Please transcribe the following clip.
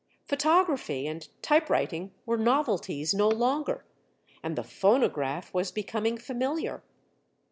Photography and typewriting were novelties no longer, and the phonograph was becoming familiar.